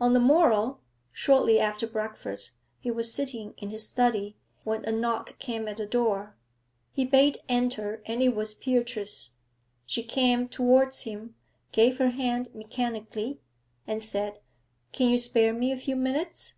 On the morrow, shortly after breakfast, he was sitting in his study, when a knock came at the door. He bade enter, and it was Beatrice. She came towards him, gave her hand mechanically, and said 'Can you spare me a few minutes?'